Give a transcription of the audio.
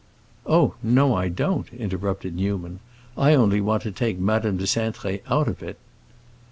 "Oh no, I don't!" interrupted Newman. "I only want to take Madame de Cintré out of it."